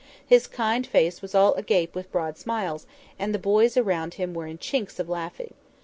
His kind face was all agape with broad smiles, and the boys around him were in chinks of laughing.